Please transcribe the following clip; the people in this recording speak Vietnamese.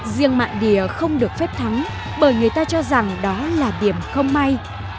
riêng mạng đìa không được phép thắng bởi người ta cho rằng đó là điểm không may